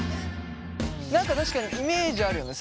何か確かにイメージあるよね。